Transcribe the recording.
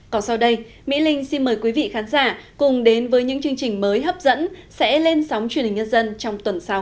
còn sau đây mỹ linh xin mời quý vị khán giả cùng đến với những chương trình mới hấp dẫn sẽ lên sóng truyền hình nhân dân trong tuần sau